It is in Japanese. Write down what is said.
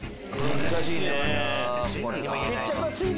難しいね。